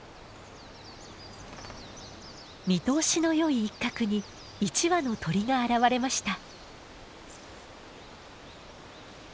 見通しのよい一角に一羽の鳥が現れました。